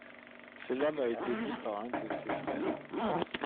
Cela m'a été dit par un de ses frères.